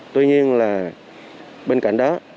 tuy nhiên là bên cạnh đó